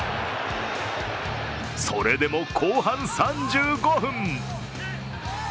それでも後半３５分。